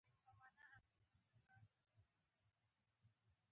دلته کومه رايل ګاډی نه راځي؟